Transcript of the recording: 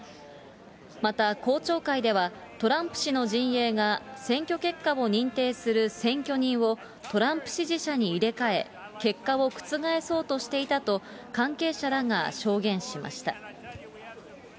また、公聴会では、トランプ氏の陣営が、選挙結果を認定する選挙人を、トランプ支持者に入れ替え、結果を覆そうとしていたと関係者らが証言しました。